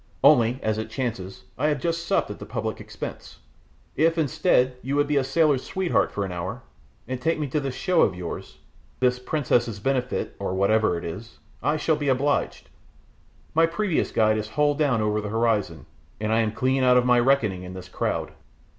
Only, as it chances, I have just supped at the public expense. If, instead, you would be a sailor's sweetheart for an hour, and take me to this show of yours your princess's benefit, or whatever it is I shall be obliged; my previous guide is hull down over the horizon, and I am clean out of my reckoning in this crowd."